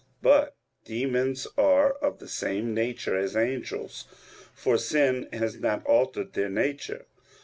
But demons are of the same nature as angels; for sin has not altered their nature.